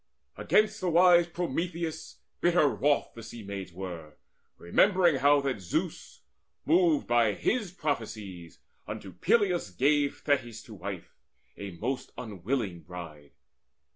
Against the wise Prometheus bitter wroth The Sea maids were, remembering how that Zeus, Moved by his prophecies, unto Peleus gave Thetis to wife, a most unwilling bride.